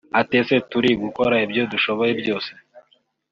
Ati “Ese turi gukora ibyo dushoboye byose